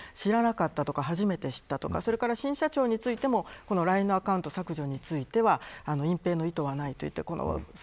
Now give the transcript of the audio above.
知らなかったとか初めて知ったとか新社長についてもＬＩＮＥのアカウント削除については隠蔽の意図はないと言った。